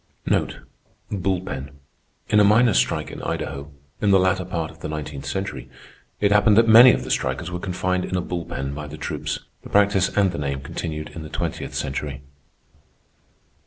Bull pen—in a miners' strike in Idaho, in the latter part of the nineteenth century, it happened that many of the strikers were confined in a bull pen by the troops. The practice and the name continued in the twentieth century.